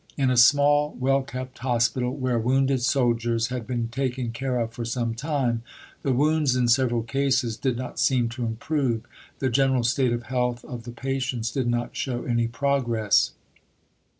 In a small well kept Hospital, where wounded soldiers had been taken care of for some time, the wounds in several cases did not seem to improve, the general state of health of the patients did not show any progress.